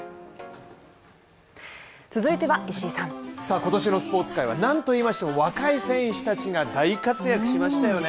今年のスポーツ界は何といいましても若い選手たちが大活躍しましたよね